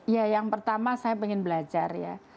ya yang pertama saya ingin belajar ya